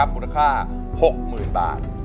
มูลค่า๖๐๐๐บาท